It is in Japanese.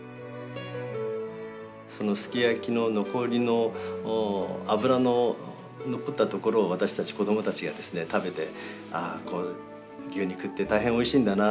そのすき焼きの残りの脂の残ったところを私たち子供たちが食べてああ牛肉って大変おいしいんだな